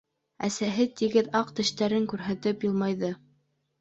Әсәһе тигеҙ аҡ тештәрен күрһәтеп йылмайҙы: